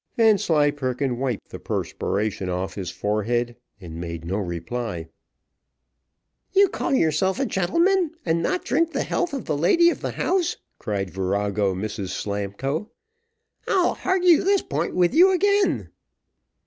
Vanslyperken wiped the perspiration off his forehead, and made no reply. "You call yourself a gentleman, and not drink the health of the lady of the house!" cried virago Mrs Slamkoe. "I'll hargue this point with you again."